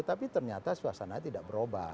tapi ternyata suasananya tidak berubah